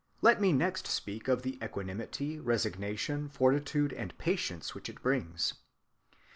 Let me next speak of the Equanimity, Resignation, Fortitude, and Patience which it brings.